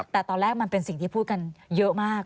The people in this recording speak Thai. แต่ตอนแรกมันเป็นสิ่งที่พูดกันเยอะมาก